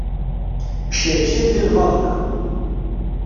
Cerken di lbaḍna.